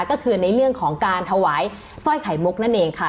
ก็คือในเรื่องของการถวายสร้อยไข่มุกนั่นเองค่ะ